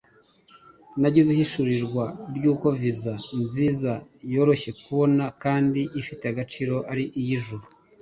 nagize ihishurirwa ry’uko Visa nziza yoroshye kubona kandi ifite agaciro ari iy’ijuru